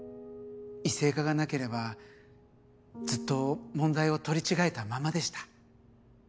異性化がなければずっと問題を取り違えたままでした。